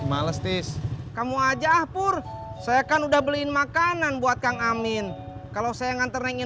makasih ya tuh neng